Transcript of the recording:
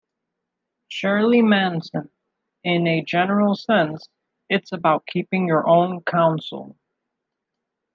Shirley Manson: In a general sense, it's about keeping your own counsel.